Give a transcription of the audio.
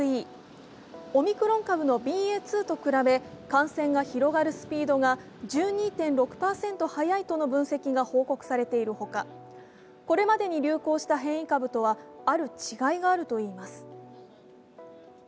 オミクロン株のＢＡ．２と比べ感染が広がるスピードが１２．６％速いとの分析が報告されている他、これまでに流行した変異株とはある違いがあるといいます。